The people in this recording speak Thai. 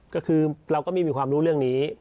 ก็คือเราก็ไม่มีความรู้เรื่องนี้